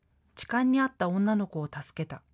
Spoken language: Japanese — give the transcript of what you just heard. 痴漢に遭った女の子を助けた。